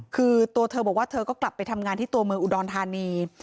คือตัวเธอบอกว่าเธอก็กลับไปทำงานที่ตัวเมืองอุดรธานี